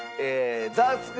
『ザワつく！』